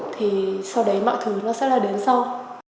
thì sau đấy mọi thứ nó sẽ là đến sâu